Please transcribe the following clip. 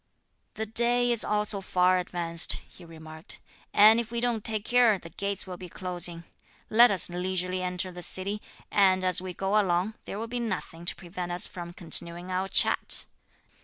"The day is also far advanced," he remarked, "and if we don't take care, the gates will be closing; let us leisurely enter the city, and as we go along, there will be nothing to prevent us from continuing our chat."